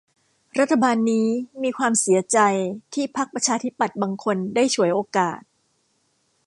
รัฐบาลนี้มีความเสียใจที่พรรคประชาธิปัตย์บางคนได้ฉวยโอกาส